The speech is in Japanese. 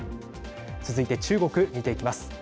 続いて中国見ていきます。